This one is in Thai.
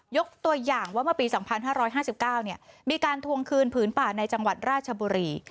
ยกตัวอย่างว่าเมื่อปี๒๕๕๙มีการทวงคืนผืนป่าในจังหวัดราชบุรี